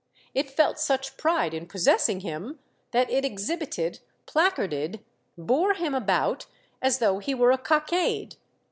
It felt such pride in pos sessing him that it exhibited, placarded, bore him about, as though he were a cockade.